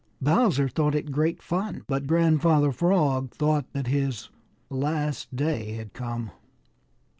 Bowser thought it great fun, but Grandfather Frog thought that his last day had come.